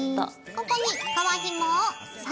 ここに皮ひもを差し込みます。